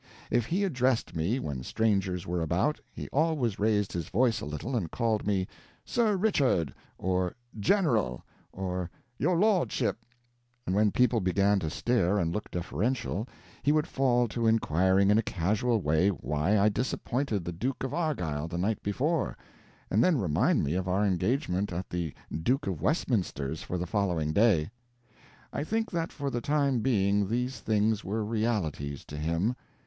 If he addressed me when strangers were about, he always raised his voice a little and called me "Sir Richard," or "General," or "Your Lordship" and when people began to stare and look deferential, he would fall to inquiring in a casual way why I disappointed the Duke of Argyll the night before; and then remind me of our engagement at the Duke of Westminster's for the following day. I think that for the time being these things were realities to him.